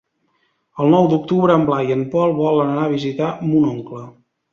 El nou d'octubre en Blai i en Pol volen anar a visitar mon oncle.